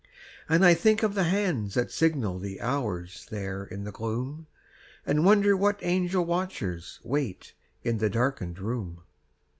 And I think of the hands that signal The hours there in the gloom, And wonder what angel watchers Wait in the darkened room.